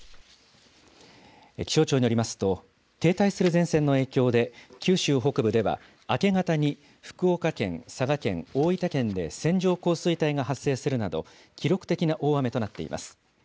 気象庁によりますと、停滞する前線の影響で九州北部では明け方に福岡県、佐賀県、大分県で線状降水帯が発生するなど、記録的な大雨となっています。